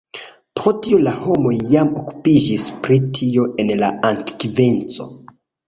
Pro tio la homoj jam okupiĝis pri tio en la antikveco.